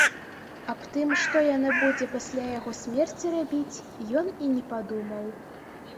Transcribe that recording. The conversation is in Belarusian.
Аб тым, што яна будзе пасля яго смерці рабіць, ён і не падумаў.